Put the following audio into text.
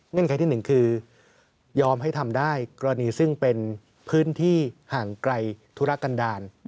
ไขที่หนึ่งคือยอมให้ทำได้กรณีซึ่งเป็นพื้นที่ห่างไกลธุรกันดาล